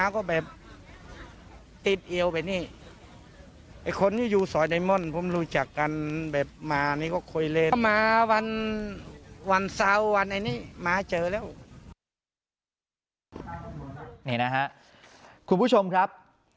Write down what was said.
คุณผู้ชมครับ